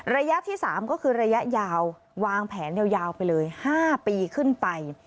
ระยะที่๓ก็คือระยะยาววางแผนยาวไปเลย๕ปีขึ้นไป